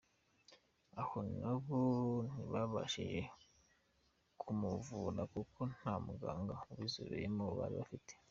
Aho naho ntibabashije kumuvura kuko nta muganga ubizobereyemo bari bafite.